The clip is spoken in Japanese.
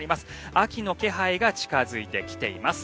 秋の気配が近付いてきています。